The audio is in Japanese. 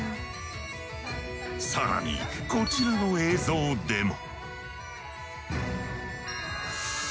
更にこちらの映像でも。